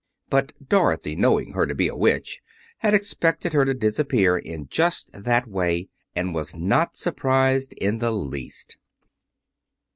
But Dorothy, knowing her to be a witch, had expected her to disappear in just that way, and was not surprised in the least.